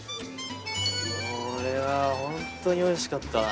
これはホントにおいしかったな。